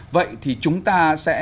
vậy thì chúng ta sẽ